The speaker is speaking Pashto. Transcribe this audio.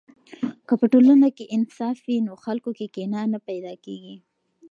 که په ټولنه کې انصاف وي، نو خلکو کې کینه نه پیدا کیږي.